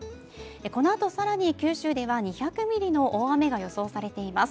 このあと更に九州では２００ミリの雨が予想されています。